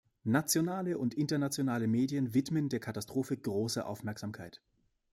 Nationale und internationale Medien widmen der Katastrophe große Aufmerksamkeit.